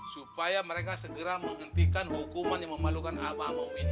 supaya mereka segera menghentikan hukuman yang memalukan aba sama umi